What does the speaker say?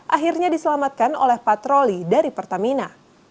akhirnya diselamatkan oleh patroli dari pertamina